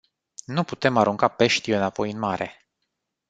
Nu putem arunca peștii înapoi în mare.